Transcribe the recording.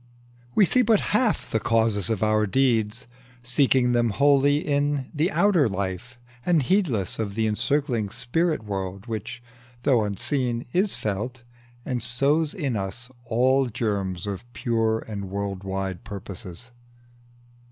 We see but half the causes of our deeds, Seeking them wholly in the outer life, And heedless of the encircling spirit world, Which, though unseen, is felt, and sows in us All germs of pure and world wide purposes.